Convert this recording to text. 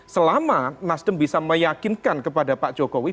selama nasdem bisa meyakinkan kepada pak jokowi